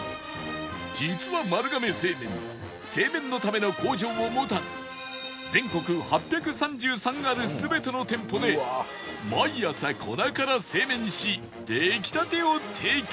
実は丸亀製麺製麺のための工場を持たず全国８３３ある全ての店舗で毎朝粉から製麺し出来たてを提供